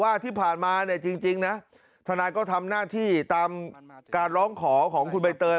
ที่ผ่านมาเนี่ยจริงนะทนายก็ทำหน้าที่ตามการร้องขอของคุณใบเตย